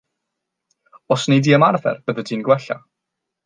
Os wnei di ymarfer, byddi di'n gwella.